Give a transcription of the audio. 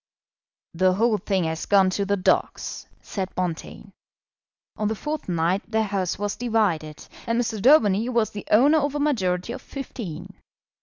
"The whole thing has gone to the dogs," said Bonteen. On the fourth night the House was divided, and Mr. Daubeny was the owner of a majority of fifteen.